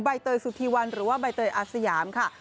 เตยสุธีวันหรือว่าใบเตยอาสยามค่ะ